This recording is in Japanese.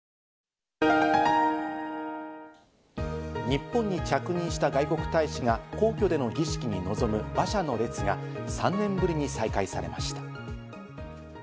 日本に着任した外国大使が皇居での儀式に臨む馬車の列が３年ぶりに再開されました。